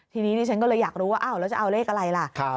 ทีนี้ดิฉันก็เลยอยากรู้ว่าอ้าวแล้วจะเอาเลขอะไรล่ะ